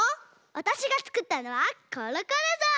わたしがつくったのはコロコロぞう！